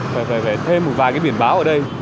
phải thêm một vài cái biển báo ở đây